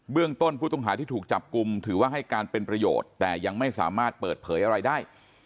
เรื่องต้นผู้ต้องหาที่ถูกจับกลุ่มถือว่าให้การเป็นประโยชน์แต่ยังไม่สามารถเปิดเผยอะไรได้